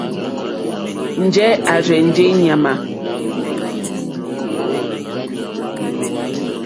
Njɛ̂ à rzênjé ŋmánà.